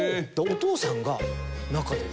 お父さんが中で。